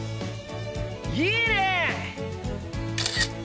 いいねー！